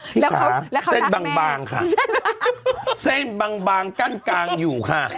ที่ขาเส้นบางค่ะเส้นบางกั้นกลางอยู่ค่ะ